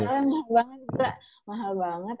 yang tele mahal banget juga mahal banget